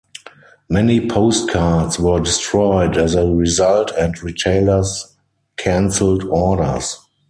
Many postcards were destroyed as a result and retailers cancelled orders.